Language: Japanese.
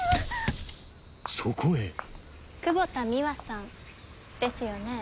そこへ久保田ミワさんですよね？